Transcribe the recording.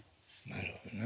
なるほどね。